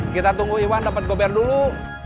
kita tunggu ivan dapat gober dulu